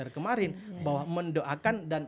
kemarin bahwa mendoakan dan